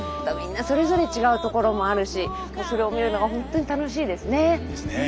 みんなそれぞれ違うところもあるしそれを見るのが本当に楽しいですね。